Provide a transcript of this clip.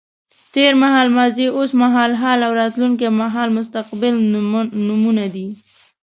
تېر مهال ماضي، اوس مهال حال او راتلونکی مهال مستقبل نومونه دي.